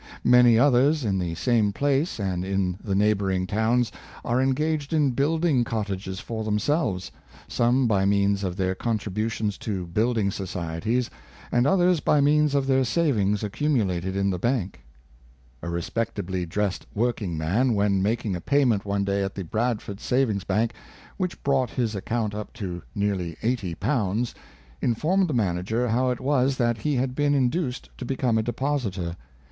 Many others, in the same place, and in the neighboring towns, are engaged in building cottages for themselves, some by means of their contributions to building societies, and others by means of their savings accumulated in the bank. A respectably dressed workingman, when making a payment one day at the Bradford Savings bank, which brought his account up to nearly eighty pounds, in formed the manager how it was that he had been in duced to become a depositor.